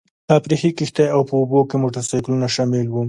تفریحي کښتۍ او په اوبو کې موټرسایکلونه شامل وو.